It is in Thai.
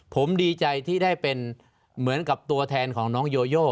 ผมดีใจที่ได้เป็นเหมือนกับตัวแทนของน้องโยโย